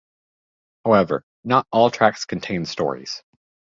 However, not all tracks contain stories.